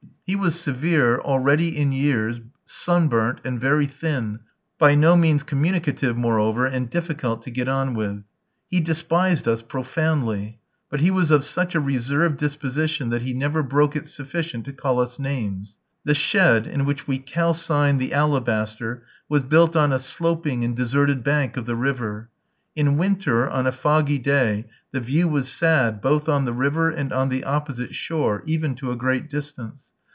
He was severe, already in years, sunburnt, and very thin, by no means communicative, moreover, and difficult to get on with. He despised us profoundly; but he was of such a reserved disposition that he never broke it sufficient to call us names. The shed in which we calcined the alabaster was built on a sloping and deserted bank of the river. In winter, on a foggy day, the view was sad, both on the river and on the opposite shore, even to a great distance.